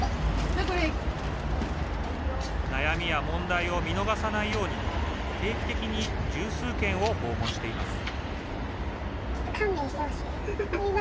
悩みや問題を見逃さないように定期的に十数軒を訪問しています